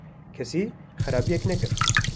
- Kesî xerabiyek nekir.